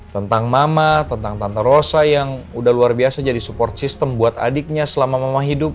tentang mama tentang tanta rosa yang udah luar biasa jadi support system buat adiknya selama mama hidup